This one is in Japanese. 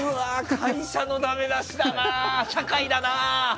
会社のダメ出しだな社会だな！